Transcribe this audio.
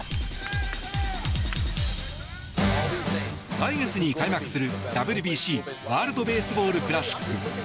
来月に開幕するＷＢＣ・ワールド・ベースボール・クラシック。